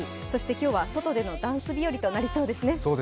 今日は、外でのダンス日和となりそうですね。